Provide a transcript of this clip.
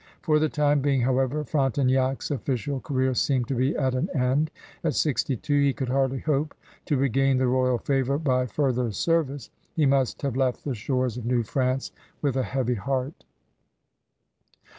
For the time being, however, Prontenac's official career seemed to be at an end. At sixty two he could hardly hope to regain the royal favor by further service. He must have left the shores of New France with a heavy heart.